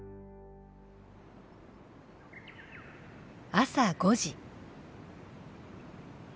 朝５時。